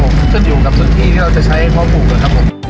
ก็เดียวกับสถานที่ที่เราจะใช้ของหมูนะครับผม